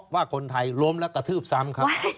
ว่าคนไทยล้มแล้วกระทืบซ้ำครับ